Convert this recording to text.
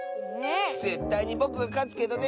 ぜったいにぼくがかつけどね。